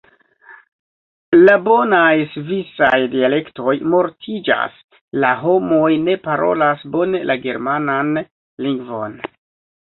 La bonaj svisaj dialektoj mortiĝas, la homoj ne parolas bone la germanan lingvon.